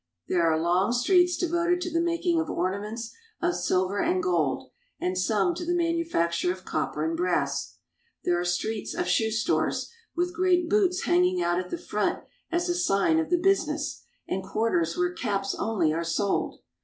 There are long streets devoted to the making of ornaments of silver and gold, and some to the manufacture of copper and brass. There are streets of shoe stores, with great boots hanging out at the front as a sign of the business, and quarters where caps only are sold.